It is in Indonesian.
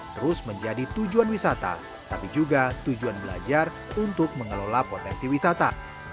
terus menjadi tujuan wisata tapi juga tujuan belajar untuk mengelola potensi wisata